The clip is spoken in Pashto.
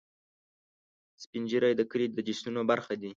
سپین ږیری د کلي د جشنونو برخه دي